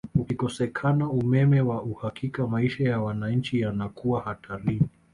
Ukikosekana umeme wa uhakika maisha ya wanachi yanakuwa hatarini